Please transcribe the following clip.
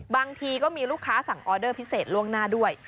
บางทีก็มีลูกค้าสั่งออเดอร์พิเศษล่วงหน้าด้วย